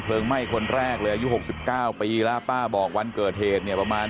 ไหม้คนแรกเลยอายุ๖๙ปีแล้วป้าบอกวันเกิดเหตุเนี่ยประมาณ